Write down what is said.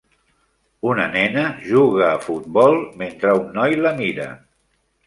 una nena juga a futbol mentre un noi la mira.